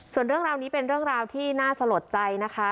ส่วนเรื่องราวนี้เป็นเรื่องราวที่น่าสลดใจนะคะ